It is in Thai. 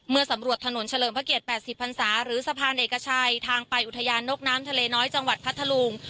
สำรวจถนนเฉลิมพระเกียรติ๘๐พันศาหรือสะพานเอกชัยทางไปอุทยานนกน้ำทะเลน้อยจังหวัดพัทธลุง